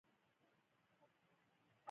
هغه د عادي وګړو په څېر هر څه واورېدل